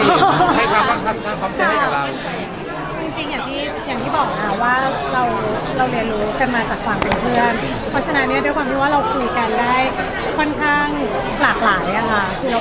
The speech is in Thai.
พี่สูดให้ความเจอได้กับเรา